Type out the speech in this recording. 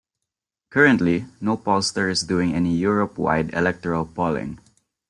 Currently, no pollster is doing any Europe-wide electoral polling.